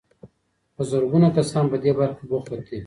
په زرګونه کسان په دې برخه کې بوخت دي.